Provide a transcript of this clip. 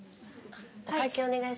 お会計お願いします。